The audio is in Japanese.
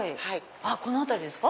この辺りですか？